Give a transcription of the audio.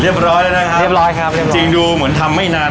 เรียบร้อยแล้วนะครับเรียบร้อยครับจริงดูเหมือนทำไม่นาน